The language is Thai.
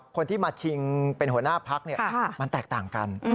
คนที่มาชิงเป็นหัวหน้าพักมันแตกต่างกัน